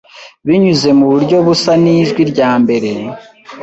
binyuze muburyo busa nijwi ryambere